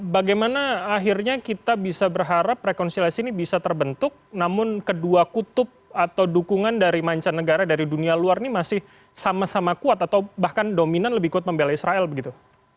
bagaimana akhirnya kita bisa berharap rekonsiliasi ini bisa terbentuk namun kedua kutub atau dukungan dari mancanegara dari dunia luar ini masih sama sama kuat atau bahkan dominan lebih kuat membela israel begitu